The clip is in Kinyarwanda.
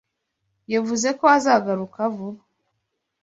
Yavuze ko azagaruka vuba.